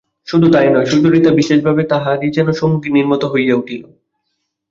শুধু তাই নয়, সুচরিতা বিশেষভাবে তাঁহারই যেন সঙ্গিনীর মতো হইয়া উঠিল।